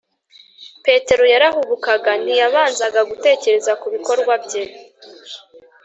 petero yarahubukaga; ntiyabanzaga gutekereza ku bikorwa bye